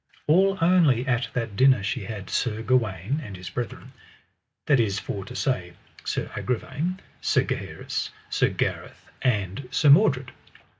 All only at that dinner she had Sir Gawaine and his brethren, that is for to say Sir Agravaine, Sir Gaheris, Sir Gareth, and Sir Mordred.